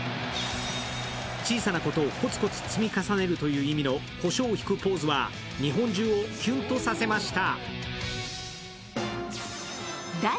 小さなことをコツコツ積み重ねるという意味のこしょうをひくポーズは日本中をキュンとさせました。